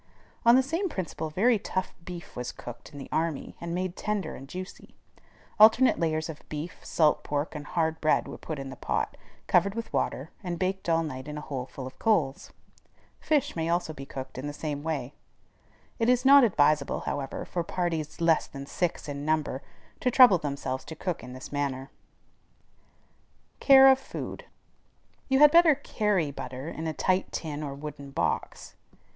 On the same principle very tough beef was cooked in the army, and made tender and juicy. Alternate layers of beef, salt pork, and hard bread were put in the pot, covered with water, and baked all night in a hole full of coals. Fish may also be cooked in the same way. It is not advisable, however, for parties less than six in number to trouble themselves to cook in this manner. CARE OF FOOD. You had better carry butter in a tight tin or wooden box.